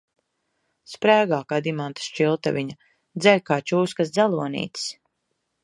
Sprēgā kā dimanta šķiltaviņa, dzeļ kā čūskas dzelonītis.